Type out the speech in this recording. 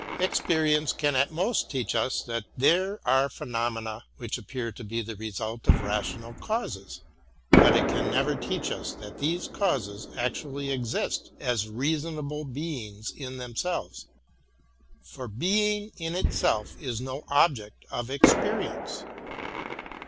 Experience can at most teach us that there arc pheno mena which appear to be the results of rational causes; but it can never teach US that these causes actually exist as rea sonable beings in themselves, for being in itself is no object of experience.